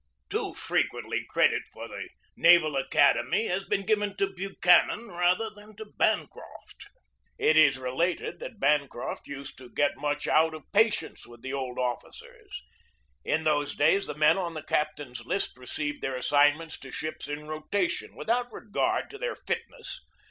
Too frequently credit for the Naval Academy 12 GEORGE DEWEY has been given to Buchanan rather than to Ban croft. It is related that Bancroft used to get much out of patience with the old officers. In those days the men on the captain's list received their assign ments to ships in rotation, without regard to their fitness.